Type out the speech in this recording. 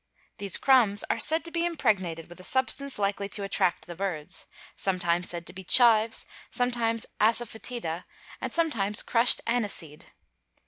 These crumbs are said to be impregnated with a substance : likely to attract the birds; sometimes said to be chives, sometimes assa foetida, and sometimes crushed aniseed.